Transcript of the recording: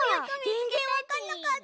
ぜんぜんわかんなかった。